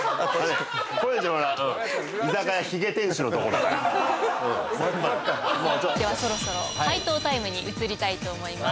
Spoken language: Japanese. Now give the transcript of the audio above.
高円寺のではそろそろ解答タイムに移りたいと思います。